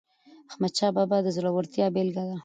احمدشاه بابا د زړورتیا بېلګه ده.